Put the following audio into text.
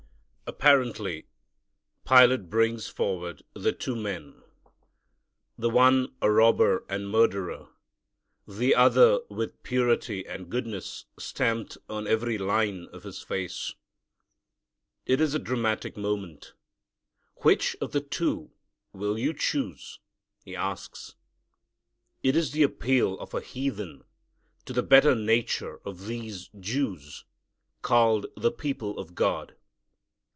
Apparently Pilate brings forward the two men, the one a robber and murderer, the other with purity and goodness stamped on every line of His face. It is a dramatic moment. "Which of the two will you choose?" he asks. It is the appeal of a heathen to the better nature of these Jews, called the people of God.